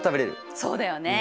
そうだよね。